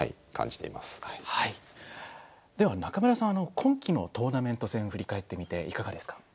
では中村さん今期のトーナメント戦振り返ってみていかがですか。